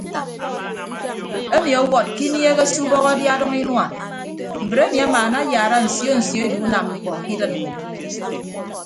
Emi ọwọd ke inieeghe se ubọk adia adʌñ inua mbre emi amaana ayaara nsio nsio edu unam mkpọ ke idịd nnyịn.